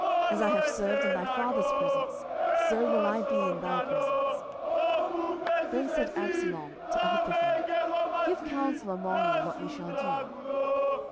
as I have served in thy father's presence, so will I be in thy presence. 10:016:020 Then said Absalom to Ahithophel, Give counsel among you what we shall do.